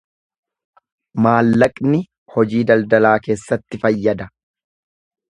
Maallaqni hojii daldalaa keessatti fayyada.